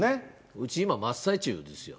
うち、今、真っ最中ですよ。